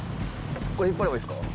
これ引っ張ればいいですか？